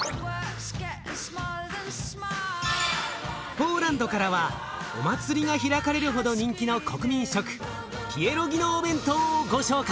ポーランドからはお祭りが開かれるほど人気の国民食ピエロギのお弁当をご紹介。